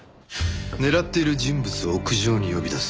狙っている人物を屋上に呼び出す。